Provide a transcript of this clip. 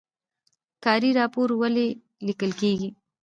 کاري راپور ولې لیکل کیږي؟